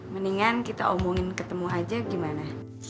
mendingan kita omongin ketemu aja gimana